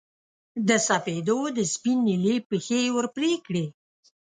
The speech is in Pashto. د سپېدو د سپین نیلي پښې یې ور پرې کړې